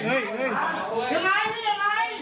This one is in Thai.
เดินไป